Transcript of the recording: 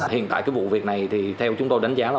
hiện tại cái vụ việc này thì theo chúng tôi đánh giá là